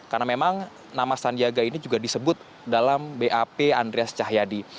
karena memang nama sandiaga ini juga disebut dalam bap andreas cahyadi